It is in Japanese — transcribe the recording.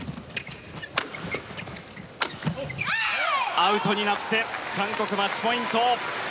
アウトになって韓国、マッチポイント。